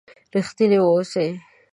رښتيني و اوسئ!